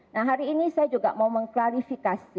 nah hari ini saya juga mau mengklarifikasi